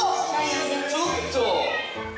ちょっと。